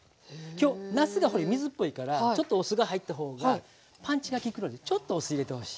今日なすがほれ水っぽいからちょっとお酢が入った方がパンチが利くのでちょっとお酢入れてほしい。